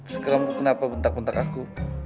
sekarang kenapa bentak bentak aku